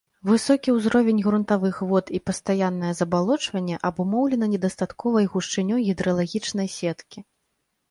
Высокі ўзровень грунтавых вод і пастаяннае забалочванне абумоўлена недастатковай гушчынёй гідралагічнай сеткі.